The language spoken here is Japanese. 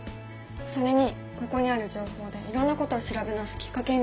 それにここにある情報でいろんなことを調べ直すきっかけになるんじゃない？